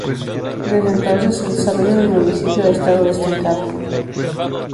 Desde entonces, el desarrollo del municipio ha estado estancado.